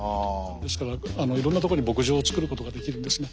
ですからいろんなところに牧場をつくることができるんですね。